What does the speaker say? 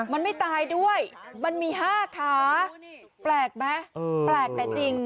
มันไม่ตายด้วยมันมี๕ขาแปลกไหมแปลกแต่จริง